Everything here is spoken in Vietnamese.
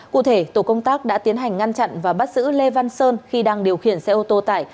cụ thể tổ công tác đã tiến hành ngăn chặn và bắt giữ lê văn sơn khi đang điều khiển xe ô tô tải